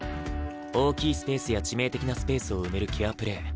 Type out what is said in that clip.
大きいスペースや致命的なスペースを埋めるケアプレー